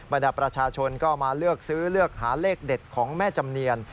ดาประชาชนก็มาเลือกซื้อเลือกหาเลขเด็ดของแม่จำเนียน